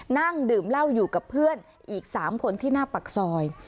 นั่งดื่มเหล้าอยู่กับเพื่อนอีก๓คนที่หน้าปากซอย